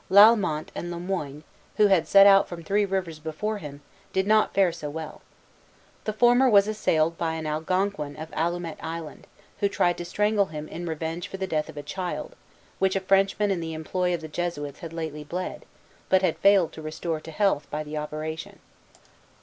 Lalemant and Le Moyne, who had set out from Three Rivers before him, did not fare so well. The former was assailed by an Algonquin of Allumette Island, who tried to strangle him in revenge for the death of a child, which a Frenchman in the employ of the Jesuits had lately bled, but had failed to restore to health by the operation.